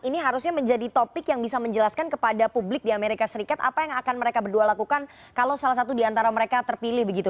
ini harusnya menjadi topik yang bisa menjelaskan kepada publik di amerika serikat apa yang akan mereka berdua lakukan kalau salah satu diantara mereka terpilih begitu